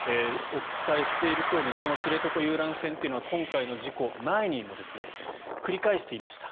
お伝えしているとおりこの知床遊覧船というのは今回の事故前にも繰り返していました。